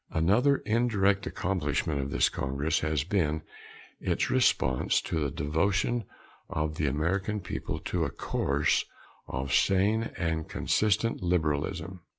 Another indirect accomplishment of this Congress has been its response to the devotion of the American people to a course of sane and consistent liberalism.